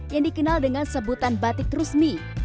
yang dikenal dengan sebutan batik rusmi